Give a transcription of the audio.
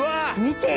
見て。